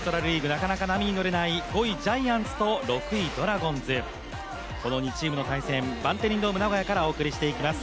なかなか波に乗れない５位ジャイアンツと、６位ドラゴンズこの２チームの対戦、バンテリンドームナゴヤからお送りします。